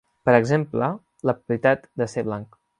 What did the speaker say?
Per exemple, la propietat de ser blanc.